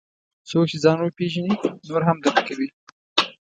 څوک چې ځان وپېژني، نور هم درک کوي.